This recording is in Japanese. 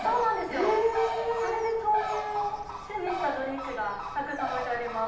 それで豆乳を主にしたドリンクがたくさん置いてあります。